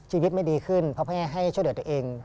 ชีวิตไม่ดีขึ้นเพราะแพทย์ให้ช่วยเหลือตัวเอง